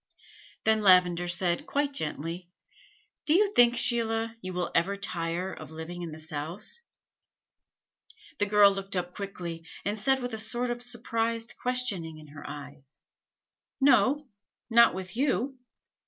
Then Lavender said, quite gently: "Do you think, Sheila, you will ever tire of living in the South?" The girl looked up quickly, and said with a sort of surprised questioning in her eyes: "No, not with you.